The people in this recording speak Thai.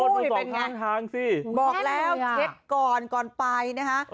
โอ้โหดูสอบทางสิบอกแล้วเช็คก่อนก่อนไปนะฮะ